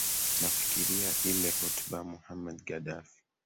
nafikiria ile hotuba ya mohamed gaddafi